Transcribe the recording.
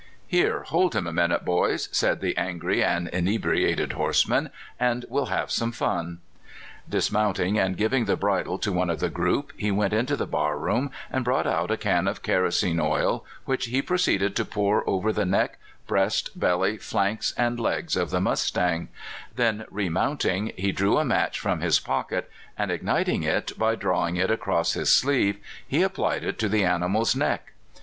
" Here, hold him a minute, boys," said the an gry and inebriated horseman, " and we'll have some fun." Dismounting, and giving the bridle to one of the (31U) HAVING SOME FUN. 317 group, he went into the barroom and brought out a can of kerosene oil, which he proceeded to pour over the neck, breast, belly, flanks, and legs of the mustang; then remounting, he drew a match from his pocket, and igniting it by drawing it across his sleeve, he applied it to the animal's neck.